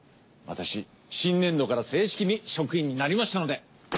私新年度から正式に職員になりましたので。